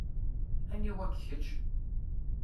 Aniwa-k kečč?